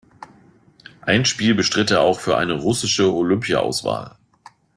Ein Spiel bestritt er auch für eine russische Olympiaauswahl.